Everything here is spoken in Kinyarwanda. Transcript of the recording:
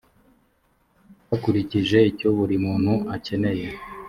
bakurikije icyo buri muntu akeneye